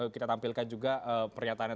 kita tampilkan juga pernyataannya